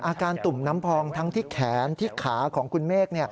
ตุ่มน้ำพองทั้งที่แขนที่ขาของคุณเมฆ